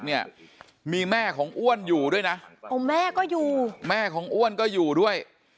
เนี่ยมีแม่ของอ้วนอยู่ด้วยนะโอ้แม่ก็อยู่แม่ของอ้วนก็อยู่ด้วย